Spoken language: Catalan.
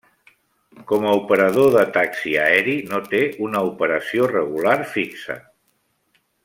Com a operador de taxi aeri no té una operació regular fixa.